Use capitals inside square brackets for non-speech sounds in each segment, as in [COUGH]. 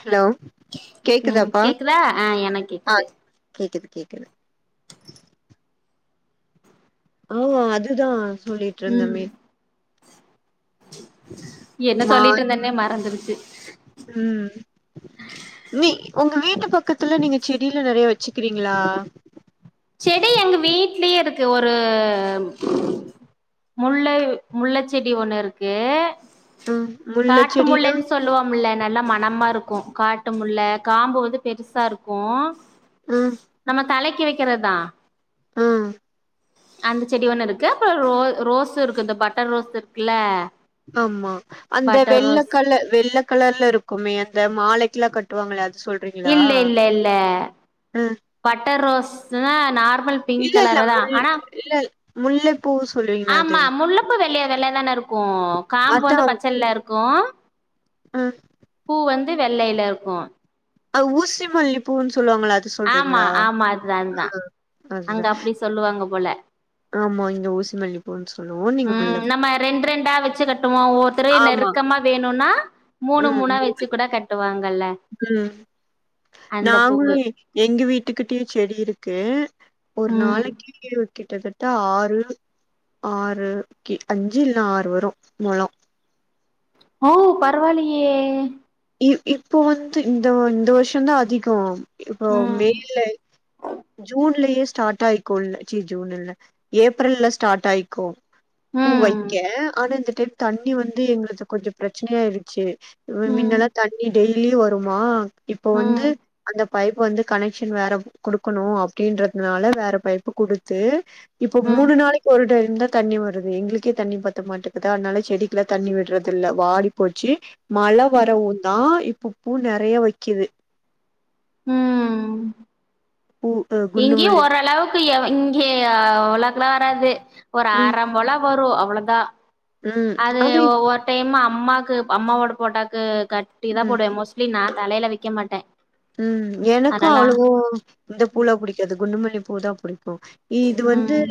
Hello ம் கேக்குதாப்பா கேக்குதா ஆ எனக்கு ஆ கேக்குது கேக்குது கேக்குது ஓ அதுதா ம் சொல்லிட்ருந்தமே என்ன மா சொல்லிட்ருந்தன்னே மறந்துருச்சு ம் நீ உங்க வீட்டு பக்கத்துல நீங்க செடிலா நெறைய வெச்சுக்கிறீங்ளா செடி எங்க வீட்லயே இருக்கு ஒரு முல்லை முல்லச்செடி ஒன்னு இருக்கு ம் முல்ல காட்டு செடினா முல்லைன் சொல்லுவோ முல்ல நல்ல மணமாருக்கு காட்டுமுல்ல காம்பு வந்து பெருசா இருக்கு ம் நம்ம தலைக்கி வெக்கிறதுதா ம் அந்த செடி ஒன்னு இருக்கு அப்பற ரோ ரோஸு இருக்கு இந்த பட்டர் ரோஸ் இருக்குல்ல ஆமா அந்த பட்டர் ரோஸ் வெள்ளக்கலர் வெள்ள கலர்ல இருக்குமே அந்த மாலைக்குலா கட்டுவாங்களே அது சொல் இல்ல இல்ல இல்ல ம் பட்டர் ரோஸ்னா நார்மல் பிங்க் இல்ல இல்ல கலருதா முல் ஆனா இல்ல முல்லை பூ சொல்லுவீங்ள அது ரொம்ப வெள்ளையா வெள்ளையா தான இருக்கு காம்பு அதா வந்து பச்சல்ல இருக்கு ம் பூ வந்து வெள்ளைல இருக்கு அ ஊசி மல்லிப்பூன் சொல்லுவாங்கள அத ஆமா சொல்றீங்ளா ஆமா அதுதா அதுதா அங்க அதுதா அப்டி சொல்லுவாங்க போல ஆமா இங்க ஊசி மல்லி பூன் சொல்லுவோன் ம் நம்ம ரெண்ட் ரெண்டா வெச்சு கட்டுவோ ஒவ்வருத்தரு ஆமா நெருக்கமா வேணுனா மூணு ம் மூணா வெச்சு கூட கட்டுவாங்கல்ல ம் அந்த பூவு நாங்களு எங்க வீட்டுக்கிட்டயு செடி இருக்கு ஒரு ம் நாளைக்கு எப்டியு கிட்டத்தட்ட ஆறு ஆறு கி அஞ்சு இல்லனா ஆறு வரு மொழோ ஓ பரவால்லயே இ இப்போ வந்து இந்த இந்த வர்ஷந்தா அதிக இப்போ ம் மேல ஜூன்லயே ஸ்டார்ட் ஆயிட் கும் அச்சோ ஜூன்ல இல்ல ஏப்ரல்லே ஸ்டார்ட் ஆயிக்கு பூ ம் வெக்க ஆனா இந்த டைம் தண்ணி வந்து எங்களுக்கு கொஞ்ச பிரச்சனையாயிடுச்சு ம் முன்னெல்லா தண்ணி டெய்லியு வருமா இப்ப வந்து ம் அந்த பைப்பு வந்து கனெக்க்ஷன் வேற குடுக்கணு அப்டின்றதுனால வேற பைப்பு குடுத்து இப்ப ம் மூணு நாளா ஒரு டைம் தா தண்ணி வருது எங்ளுக்கே தண்ணி பத்த மாட்டுக்குதா அத்னால செடிக்குலா தண்ணி விட்டறதில்ல வாடி போச்சு மழ வரவுந்தா இப்ப பூ நெறைய வெக்கிது ம் பூ அ இங்கே குண்டுமல்லி ஓரளவுக்கு இங்கே அவ்லவுக்கலா வராது ஒரு ம் அர போல வரும் அவ்ளோதான் ம் அது ஆனா இது- ஒவ்வொரு டைம் அம்மாக்கு அம்மாவோட போட்டாக்கு கட்டி தான் ம் போடுவேன் மோஸ்ட் லி நான் தலைல வெக்க மாட்டேன் ம் எனக்கும் அவ்ளவோ இந்த பூலாம் புடிக்காது குண்டுமல்லி பூ தான் புடிக்கும் ஈது வந்து ம்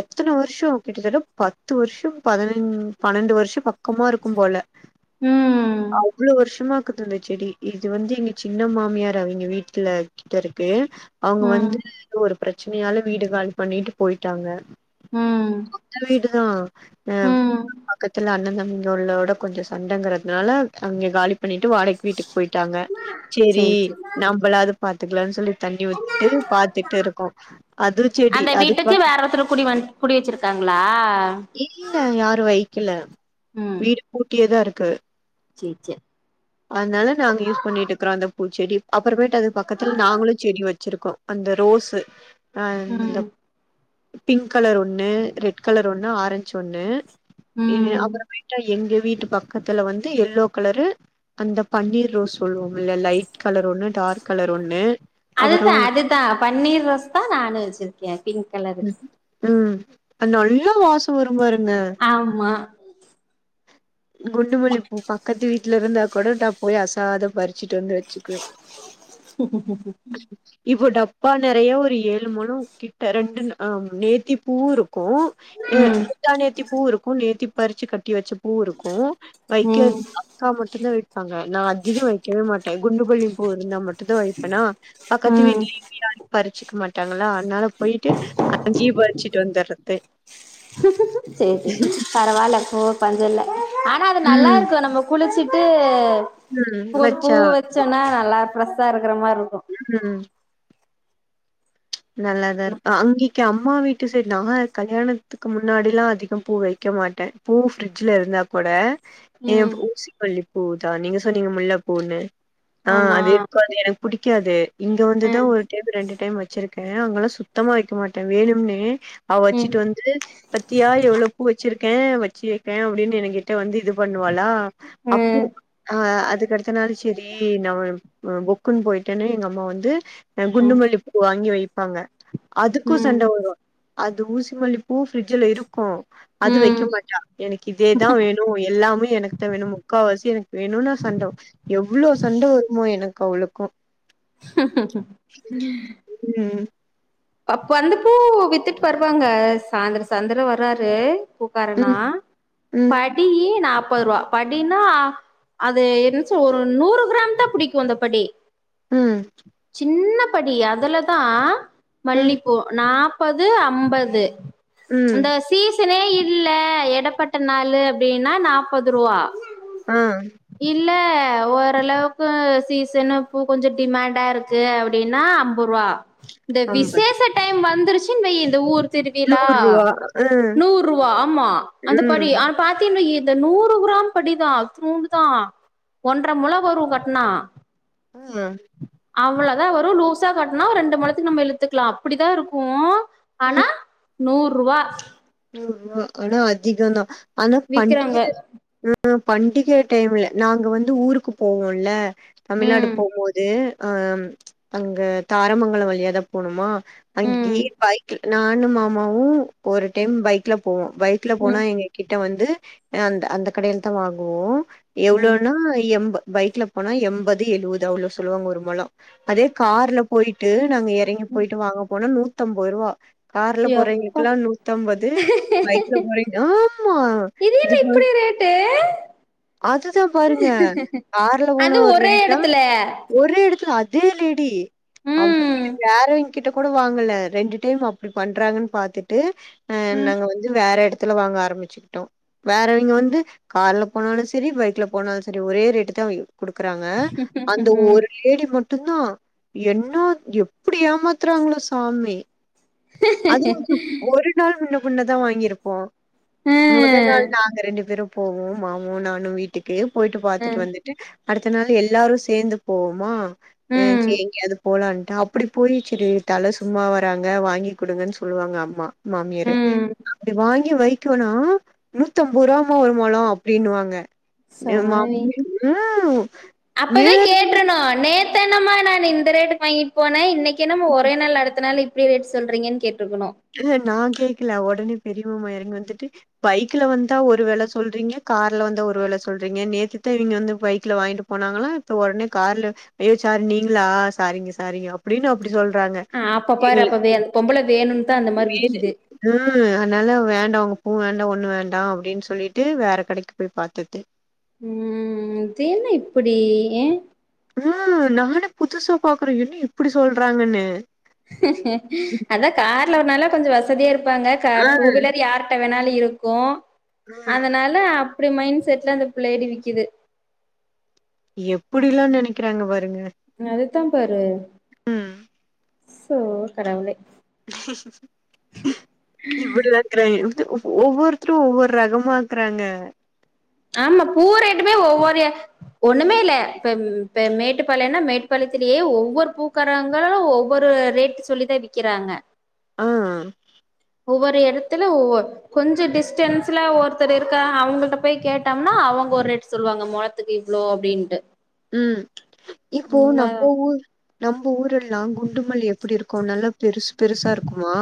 எத்தன வருஷம் கிட்டத்தட்ட பத்து வருஷம் பதினைந் பன்னெண்டு வருஷம் பக்கமா இருக்கும் போல ம் அவ்ளோ வருஷமாக்குது இந்த செடி இது வந்து எங்க சின்ன மாமியார் அவிங்க வீட்ல கிட்ட இருக்கு அவுங்க ம் வந்து ஒரு பிரச்சனையால வீடு காலி பண்ணிட்டு போயிட்டாங்க ம் சொந்த வீடு தான் ம் ஆ பக்கத்துல அண்ணன் தம்பிங்க உள்ளோட கொஞ்சொ சண்டைங்கிறதுனால அவங்க காலி பண்ணிட்டு வாடகை வீட்டுக்கு போயிட்ட டங்க சேரி நம்மளாது பாத்துக்கலானு சொல்லி தண்ணி விட்டு பார்த்துட்டு இருக்கோம் அது செடி அது தாரத்துர குடி வன் குடி வச்சு இல்ல யாரு வைக்கல வீடு பூட்டியேதான் இருக்கு செ சே அதனால நாங்க யூஸ் பண்ணிட்டு க்றோ அந்த பூச்செடி அப்புறமேட்டு அது பக்கத்துல நாங்களும் செடி வச்சிருக்கோ அந்த ரோஸ்ஸு அ இந்த ம் பிங்க் கலர் ஒன்னு ரெட் கலர் ஒன்னு ஆரஞ்சு ஒன்னு இங்க ம் அப்பராமாய்ட்டு எங்க வீட்டு பக் கத்துல வந்து எல்லோ கலரு அந்த பன்னீர் ரோஸ் சொல்லும் உள்ள லைட் கலர் ஒண்ணு டார்க் கலர் ஒண்ணு அப்புறோ அதுதான் அதுதான் பன்னீர் ரோஸ் தான் நானும் வச்சிருக்கேன் பிங்க் கலரு ம் அது நல்ல வாசம் வரும் பாருங்க ஆமா குண்டுமல்லிப்பூ பக்கத்து வீட்டு்ல இருந்தா கூட நான் போய் அசாத பறி ச்சிட்டு வந்து வச்சுக்குவேன் இப்போ டப்பா நெறய ஒரு ஏழு மொலம் கிட்ட ரெண்டும் நேத்தி பூவும் இரு க்கும் ம் முந்தா நேத்தி பூ இருக்கும் நேத்தி பறிச்சு கட்டி வச்ச பூ இருக்கும் வைக்க ம் அக்கா மட்டும் தான் வைப்பாங்க நான் அதிகம் வெக்கவே மாட்டேன் குண்டுமல்லி பூ இருந்தா மட் டும் தான் வைப்பேனா பக்கத்து ம் வீட்டுலயுமே பறிச்சுக்க மாட்டாங்களா அதனால போயிட்டு அங்கீ பரிச்சிட்டு வந்தற்த்து செரி செரி பரவால்ல போ பஞ்ச இல்ல ஆனா அது நல்லா ம் இருக்கும் நம்ம குளிச்சிட்டு ம் ஒரு பூ வச்சா வச்சன்னா நல்லா ஃப்ரெஷ்ஷா இருக்கிற மாரி இருக்கும் ம் நல்லாதான் இர் அங்கைக்கு அம்மா வீ ட்டு சைடு நான் கல்யாணத்துக்கு முன்னாடி லா அதிகம் பூ வெக்க மாட்டேன் பூ ஃபிரிடட்ஜ்ல இருந்தா கூட ஏ ம் ஊசிமல்லி பூ தான் நீங்க சொன்னீங்க முள்ள பூன்னு ஆ ஆமா அதே அப்ப அது எனக் புடிக்காது இங்க வந்து ம் தான் ஒரு டைம் ரெண்டு டைம் வச்சிருக்கேன் அங்கல்லா சுத்தமா வெக்க மாட்டேன் வேணும்னனே அவ ம் வச்சுட்டு வந்து பத்தியா எவ்ளவு பூ வச்சிருக்கேன் வெச்சிருக்கேன் அப்டின்னு எனக்கு கிட்ட வந்து இது பண்ணுவாளா அப்பு ஆ அதுக்கு அடுத்த நாள் சரி நம்ம புக் க்குண் போயிட்டன்னு எங்க அம்மா வந்து குண்டுமல்லி பூ வாங்கி வெய்ப்பாங்க அதுக்கு ம் சண்ட வரு அது ஊசி மல்லிப்பூ ஃப்ரிட்ஜ்ல இருக்கு அது வெக்க ம் மாட்டா எனக்கு இதேதா வேணு எல்லாமே எனக்கு தா வேணு முக்காவாசி எனக்கு வேணுனு சண்ட எவ்ளோ சண்ட வருமோ எனக்கு அவளுக்கு ம் அப்ப அந்து பூ வித்துட்டு வருவாங்க சாந்தர சாந்தர வர்ராரு காரன்னா ம் ம் படியே நாப்பரூவா படினா அது என்னச்ச ஒரு நூறு கிராம் தான் புடிக்கு அந்த படி ம் சின்னபடி அதுலதா ம் மல்லிப்பூ நாப்பது அம்பது அந்த ம் சீசனே இல்ல எடப்பட்ட நாளு அப்டின்னா நாப்பது ரூவா ஆ இல்ல ஓரளவுக்கு சீசனு பூ கொஞ்ச டிமாண்டா இருக்கு அப்டின்னா அம்பரூவா இந்த அம்பது விசேஷ டைம் வந்துருச்சுனு வை இந்த ஊரு திருவிழா நூறுவா ஆ நூறுவா ஆமா அந்த படி ம் ம் ஆ பாத்தீனு இத நூறு கிராம் படிதா இத்நூண்டுதா ஒன்ற மொலம் வரு கட்னா ம் அவ்ளதா வரு லூஸா கட்னா ரெண்டு மொலத்துக்கு நம்ப இலுத்துக்கலா அப்டிதா இருக்கு ஆனா நூறுவா நூறு ரூவா ஆனா அதிக தா ஆனா பண்டிக விக்கிறாங்க நாள் ஆ பண்டிக டைம்ல நாங்க வந்து ஊருக்கு போவோல தமிழல்நாடு ம் போம்போது ஆ அங்க தாரமங்கல வழியா தா போணுமா ம் அங்கயே பைக்ல நானும் மாமாவு ஒரு டைம் பைக்ல போவோ பைக்ல போனா ம் எங்க கிட்ட வந்து அந் அந்த கடையில தான் வாங்குவோ ம் எவ்ளோனா எம்ப பைக்ல போனா எண்பது எழுவது அவ்ளோ சொல்லுவாங்க ஒரு மொலோ அதே கார்ல போயிட்டு நாங்க எ எறங்கி போயிட்டு வாங்க போனா நூத்தம்பது ரூவா கார்ல எப்பா போறவைங்களுக்கெல்லா நூத் த்தம்பது பைக் ல போறவை ஆமா இது என்ன இதுக்கு முன் இப்டி ரேட்டு அதுதா பாருங்க கார்ல அது போனா ஒரு ஒரே ரேட்டா எடத்துல ஒரே இடத்துல அத் அதே லேடி அவ ம் வேறவைங்ககிட்ட கூட வாங்கல ரெண்டு டைம் அப்டி பண்றாங்கன் பாத்துட்டு அ ம் நாங்க வந்து வேற எடத்துல வாங்க ஆரம்பிச்சுக்கிட்டோ வேறவைங்க வந்து கால்ல போனாலு சரி பைக்ல போனாலு சரி ஒரே ரேட்டு தா கொடுக்கறாங்க ம் அந்த ம் ஒரு லேடி மட்டும்தா என்ன எப்டி ஏமாத்துறாங்களோ சாமி அது ஒரு நாள் முன்ன பின்னதா வாங்கிருப்போ மொதநாள் நாங்க ரெண்டு பேரு போவோ மாமாவு நானு வீட்டுக்கு போயிட்டு பாத்துட்டு ம் வந் டு அடுத்த நாள் எல்லாரு சேந்து போவோமா ம் சரி எங்கயாது போலான்ட்டு அப் புடி போயி சரி தல சும்மா வராங்க வாங்கி குடுங்கன் சொல்லுவாங்க அம்மா மாமியாரு ம் இது வாங்கி வைக்கவனா நூத்தம்பது ரூபாமா ஒரு மொழோ அப்டின்னுவாங்க ஏமா சாமி அப்டி ம் [UNINTELLIGIBLE] துதான நான் இந்த ரேட்டுக்கு வாங்கிட்டு போனேஇன்னைக்கு என்னமா ஒரே நாள்ல அடுத்த நாள் இப்டி ரேட் சொல்றீங்கன் கேட்ருக்கனு நா கேக்ல ஒடனே பெரிய மாமா எறங்கி வந்துட்டு பைக்ல வந்தா ஒரு வெல சொல்றீங்க கார்ல வந்தா ஒரு வெல சொல்றீங்க நேத்துதா இங்க வந்து பைக்ல வாய்ன்ட்டு போனாங்களா இப்ப ஒடனே கார்ல அய்யோ சார் நீங்ளா சாரிங்க சாரிங்க அப்டின் அப்டி சொல் ஆ அப்ப பாரு அப்ப வே பொம்பள வேணுன் தா அந்த மார் விக்கிது ஆ அதனால வேண்டா ஒங்க பூ வேண்டா ஒண்ணு வேண்டா அப்டின் சொல்லிட்டு வேற கடைக்கு போய் பாத்துட்டு ம் இதென்ன இப்பிடி ஏ ஆ நானே புதுசா பாக்குறே என்ன இப்டி சொல்றாங்கன்னு அதா கார்ல வரனால கொஞ்சோ வசதியா இருப்பாங்க க ஆ டூ வீலர் யார் அதனால இருக்கு ம் அதனால அப்டி மைன்ட் செட்ல அந்த புள்ளய்ட்ட விக்கிது எப்டில்லா நெனைக்கிறாங்க பாருங்க அத தா பாரு ம் சோ கடவுளே இவ்ளோ ரேட்டு க்ரை ஒவ்வொருத்ரு ஒவ்வொரு ரகமாக்குறாங்க ஆமா பூ ரேட்டுமே ஒவ்வொரு ஒன்னுமே இல்ல இப்ப இப்ப மேட்டுப்பாளையன்னா மேட்டுப்பாளையத்திலே ஒவ்வொரு பூக்காரங்க ஒவ் வொரு ரேட்டு சொல்லிதா விக்கிறாங்க ஆ ஒவ்வொரு எடத்துல ஒவ்வொ கொஞ்ச டிஸ்டன்ஸ்ல ஒருத்தர் இருக்கா அவுங்கள்ட்ட போய் கேட்டம்னா அவங்க ஒரு ரேட்டு சொல்வாங்க மொழ த்துக்கு இவ்ளோ அப்டின்ட்டு ம் இப்போ ம் நம்ப ஊர் நம்ப ஊரெல்லா குண்டுமல்லி எப்டி இருக்கு நல்லா பெருசு பெருசாருக்குமா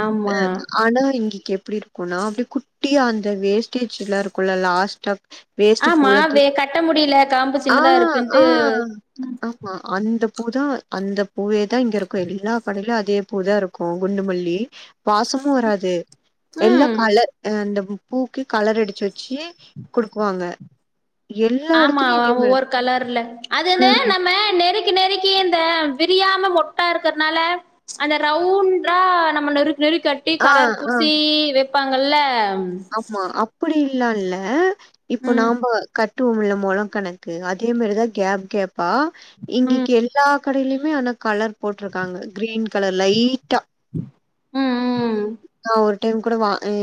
ஆமா ஆனா இங்கைக்கி எப்டி இருக்குனா அப்டே குட்டியா அந்த வேஸ்டேஜ்லா இருக்குல லாஸ்ட்டா வேஸ்ட்டு ஆமா பூலா வே தூக்கி கட்ட முடில காம்பு ஆ சின்னதா ஆ இருக்குன்ட்டு ஆமா அந்த பூ தா அந்த பூவே தா இங்க இருக்கு எல்லா கடைலயு அதே பூ தாரு க்கு குண்டுமல்லி வாசமு வராது எல்லா ம் கலர் ஆ அந்த பூக்கு கலர் அடிச்சு வச்சி குடுக்குவாங்க எல்லா ஆமா எடத்துலயு இதே மாரி ஒவ்வொரு கலர்ல அது வந்து ம் நம்ம நெருக் கி நெருக்கி அந்த விரியாம மொட்டா இருக்கற்னால அந்த ரவுண்ட்ரா நம்ம நெருக் நெருக்கி கட் டி ஆ கலர் ஆ பூசி வெப்பாங்கள்ல ஆமா அப்டி இல்லால்ல இப்ப ம் நாம்ப கட் டுவோம்ல மொழோ கணக்கு அதே மார்தா கேப் கேப்பா ம் இங்கைக்கி எல்லா கடைலிமே ஆனா கலர் போட்ருக்காங்க க்ரீன் கலர் லைட்டா ம் ம் நா ஒரு டைம் கூட வா இ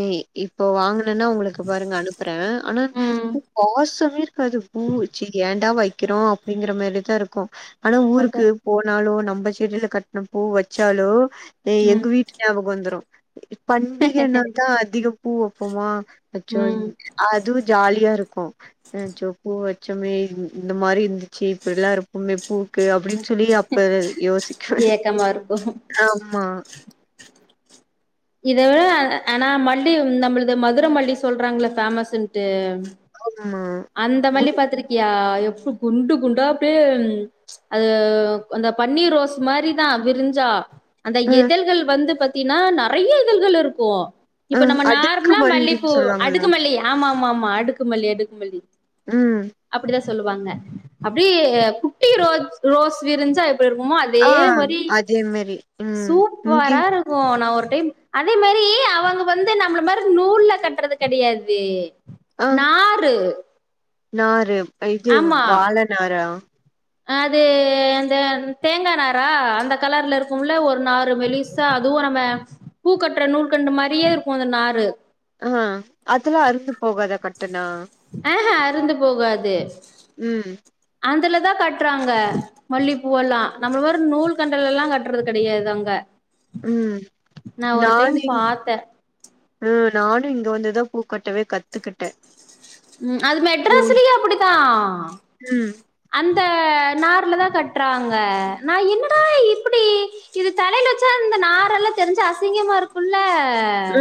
இப்போ வாங்னன்னா உங்களுக்கு பாருங்க அனுப்புறே ஆனா ம் பூ வாசமே இருக்காது பூ ச்சீ ஏன்டா வை க்கிறோ அப்டிங்கிற மாரிதாருக்கு ஆனா அதா ஊருக்கு போனாலு நம்ப செடில கட் ன பூ வச்சாலு எ ம் எங்க வீட்டு ஞாபகோ வந்துரு பண்டிகனா தா அதிக பூ வப்போமா வச்சோன் ம் அதுவு ஜாலியாருக்கு அச்சோ பூ வச் சொமே இந் இந்த மாரி இந்த சே இப்டி எல்லா இருக்குன்னு பூக்கு அப்டின்னு சொல்லி அப்ப யோசிக்கல ஏக்கமா இருக்கு ஆமா இது அ அ ஆனா மல்லி நம்மளது மதுர மல்லி சொல்றாங்ல்ல ஃபேமஸ்ஸுன்ட்டு ஆமா அந்த மல்லி குட் பாத்திருக்கியா எப்ப குண்டு குண்டா அப்டியே அது அந்த பன்னீர் ரோஸ் மாரிதா விரிஞ்சா அந்த அ. எதழ்கள் வந்து பாத்தீன்னா நெறைய இதழ்கள் இருக்கு ஆ இப்ப நம்ம அடுக்கு நார்மலா மல்லின்னு மல்லிப்பூ சொல்லுவாங்களா அடுக்குமல்லி ஆமா ஆமா ஆமா அடுக்குமல்லி அடுக்குமல்லி ம் அப்டிதா சொல்லுவாங்க அப்டி குட்டி ரோஜ் ரோஸ் விரிஞ்சா எப்டி இருக்குமோ அது ஆ அதே மாரி அதே மாரி ம் இங்கி சூப்பரா இரு கு நா ஒரு டைம் அதே மாரி அவங்க வந்து நம்மள மாரி நூல்ல கட்றது கெடையாது ஆ நாரு நாரு இது ஆமா வாழ நாரா அது அந்த தேங்கா நாரா அந்த கலர்ல இருக்கும்ல ஒரு நாரு மெலிஸ் ஸா அதுவு நம்ம பூக்கட்டுற நூல் கண்டு மாரியே இருக்கு அந்த நாரு அ அதெல்லா அருந்து போகாத கட்டுனா ஆஹா அருந்து போகாது ம் அந்துல தா கட் றாங்க மல்லிப்பூயெல்லா நம்ம மாரி நூல் கண்டுல்ல எல்லா கட்றது கெடையாது அங்க ம் நா ஒரு நானு டைம் இங்க பாத்தே ம் நானு இங்க வந்துதா பூக்கட்டவே ம் அது ம் மெட்ராஸ்லயே அப்படித்தா அந்த நார்ல தா கட்றாங்க நா என்னடா இப்டி இது தலையில வச்சா இந்த நாரெல்லா தெரிஞ்சு அசிங்கமா இருக்குல்ல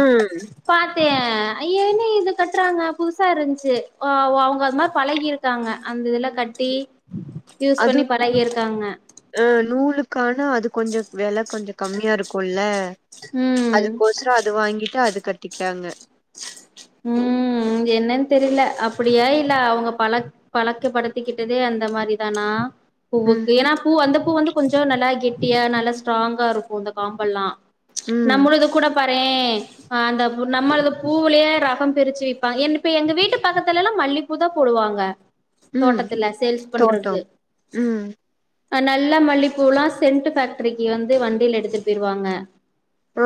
ம் பாத்தே ஐய்ய என்ன இது கட்டுறாங்க புதுசா இருந்துச்சு அவ அவங்க அது மாரி பழகி இருக்காங்க அந்த இதுல கட்டி யூஸ் அது பண்ணி பழகிருக்காங்க ஆ நூலுக்கான அது கொஞ்ச வெல கொஞ்ச கம்மியா இருக்குல்ல ம் அதுக்கொசு அது வாங்கிட்டு அது கட்டிகிட்டாங்க ம் அது என்னன் தெரில அப்படியா இல்ல அவங்க பழ பழக்கப்படுத்திக்கிட்டதே அந்த மாரி தானா ம் பூவுக்கு ஏன்னா பூ அந்த பூ வந்து கொஞ்ச நல்லா கெட்டியா நல்லா ஸ்ட்ராங்கா இருக்கு அந்த காம்பெல்லா ம் நம்முளுது கூட பாறே அந்த பு நம்மளது பூலேயே ரகொ பிரிச்சு வைப்பாங்க இப்ப எங்க வீட்டு பக்கத்துல எல்லா மல்லிப்பூதா போடுவாங்க ம் தோட்டத்துல சேல்ஸ் பண்றது தோட்டம் ம் அ நல்ல மல்லிப்பூல்லா சென்ட்டு ஃபேக்ட்ரிக்கு வந்து வண்டில எடுத்துட் போய்டுவாங்க ஆ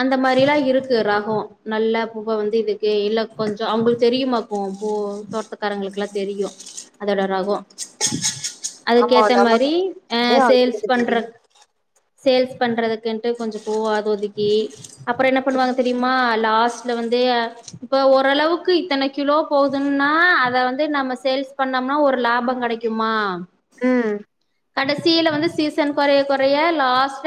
அந்த மாரி எல்லா இருக்கு ரகொ நல்ல பூவ வந்து இதுக்கு இல்ல கொஞ்ச அவங்களுக்கு தெரியுமாக்கு பூ தோட்டக்காரங்களுக்குலா தெரியு அதோட ரகொ ஆமா அதுக்கேத்த நமக்கு மாரி அ அது சேல்ஸ் அவங்களுக்கு பண்ற தெரியும். சேல்ஸ் பண்றதுக்குன்ட்டு கொஞ்ச பூ அது ஒதுக்கி அப்புறோ என்ன பண்ணுவாங்க தெரியுமா லாஸ்ட்ல வந்து அ இப்ப ஓரளவுக்கு இத்தன கிலோ போதுன்னா அத வந்து நம்ம சேல்ஸ் பண்ணம்னா ஒரு லாபங் கெடைக் குமா ம் கடைசியில வந்து சீசன் கொறைய கொறைய லாஸ்ட்